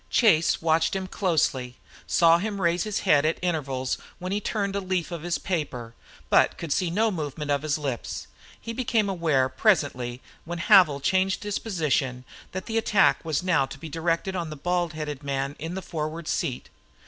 Chase watched him closely, saw him raise his head at intervals when he turned a leaf of his paper, but could see no movement of his lips. He became aware, presently, when Havil changed his position, that the attack was now to be directed upon the bald headed man in the forward seat.